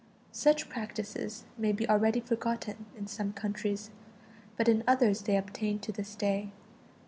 Such practises may be already forgotten in some countries; but in others they obtain to this day.